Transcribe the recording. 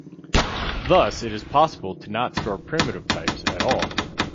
Thus, it is possible to not store primitive types at all.